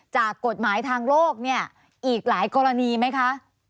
จากกฎหมายทางโลกเนี่ยอีกหลายกรณีไหมคะ